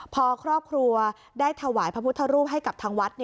พอครอบครัวได้ถวายพระพุทธรูปให้กับทางวัด